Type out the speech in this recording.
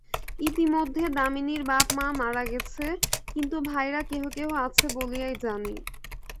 ইতিমধ্যে দামিনীর বাপ মা মারা গেছে, কিন্তু ভাইরা কেহ-কেহ আছে বলিয়াই জানি।